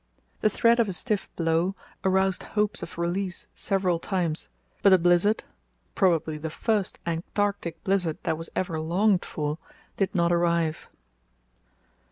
The threat of a stiff "blow" aroused hopes of release several times, but the blizzard—probably the first Antarctic blizzard that was ever longed for—did not arrive.